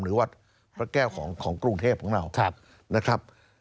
หรือวัดพระแก้วของกรุงเทพฯของเรา